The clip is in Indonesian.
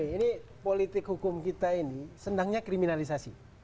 ini politik hukum kita ini senangnya kriminalisasi